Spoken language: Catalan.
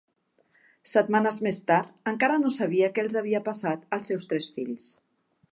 Setmanes més tard, encara no sabia què els havia passat als seus tres fills.